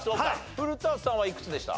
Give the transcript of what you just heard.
古田さんはいくつでした？